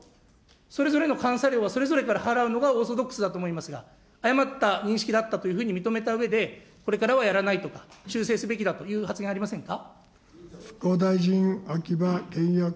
それぞれの監査料はそれぞれから払うのがオーソドックスだと思いますが、誤った認識だと認めたうえで、これからはやらないと、修正すべきだという発言、ありませんか。